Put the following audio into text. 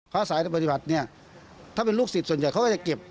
อาศัยปฏิบัติเนี่ยถ้าเป็นลูกศิษย์ส่วนใหญ่เขาก็จะเก็บ